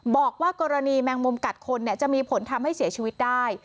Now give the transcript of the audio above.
บอกว่ากรณีแมงมุมกัดคนจะมีผลทำให้เสียชีวิตได้